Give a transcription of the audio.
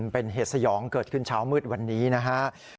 เป็นเหตุสยองเกิดขึ้นเช้ามืดวันนี้นะครับ